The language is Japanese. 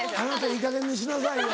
「いいかげんにしなさいよ」。